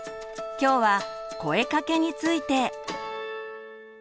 今日は「声かけ」について。